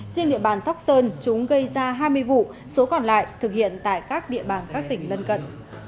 riêng địa bàn sóc sơn chúng gây ra hai mươi vụ số còn lại thực hiện tại các địa bàn các tỉnh lân cận